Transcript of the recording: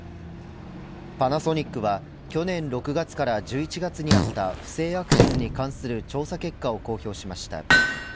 パナソニックは去年６月から１１月にあった不正アクセスに関する調査結果を公表しました。